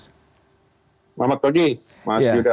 selamat pagi maaf sudah